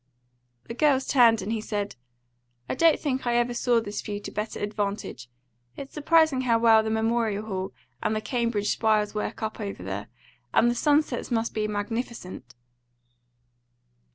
The girls turned, and he said, "I don't think I ever saw this view to better advantage. It's surprising how well the Memorial Hall and the Cambridge spires work up, over there. And the sunsets must be magnificent."